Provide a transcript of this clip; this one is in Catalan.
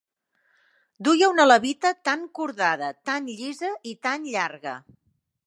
Duia una levita tant cordada, tant llisa i tant llarga